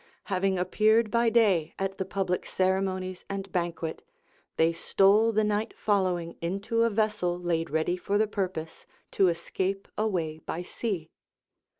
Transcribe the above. Having appeared by day at the public ceremonies and banquet, they stole the night following into a vessel laid ready for the purpose, to escape away by sea.